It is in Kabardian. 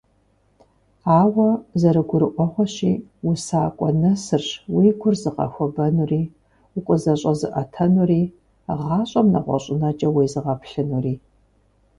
Ауэ, зэрыгурыӀуэгъуэщи, усакӀуэ нэсырщ уи гур зыгъэхуэбэнури, укъызэщӀэзыӀэтэнури, гъащӀэм нэгъуэщӀынэкӀэ уезыгъэплъынури.